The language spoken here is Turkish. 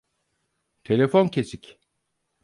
Telefon kesik.